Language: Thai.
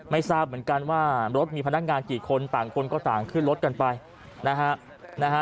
ไม่ทราบเหมือนกันว่ารถมีพนักงานกี่คนต่างคนก็ต่างขึ้นรถกันไปนะฮะ